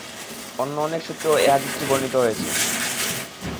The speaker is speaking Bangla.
অন্য অনেক সূত্রেও এ হাদীসটি বর্ণিত হয়েছে।